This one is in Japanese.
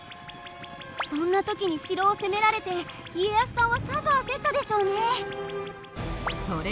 そんな時に城を攻められて家康さんはさぞ焦ったでしょうね。